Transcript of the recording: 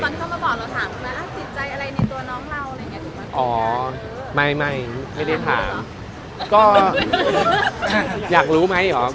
อย่างนี้เขามาบอกแล้วถามติดใจอะไรในตัวน้องเราอะไรอย่างนี้